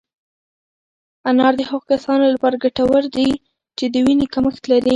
انار د هغو کسانو لپاره ګټور دی چې د وینې کمښت لري.